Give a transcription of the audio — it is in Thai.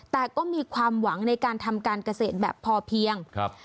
แต่ก็มีความหวังในการทำการเกษตรแบบพอเพียงครับ